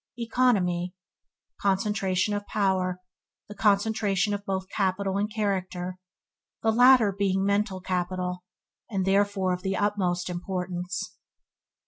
Economy – Concentration of power, the conservation of both capital and character, the latter being mental capital, and therefore of the utmost importance.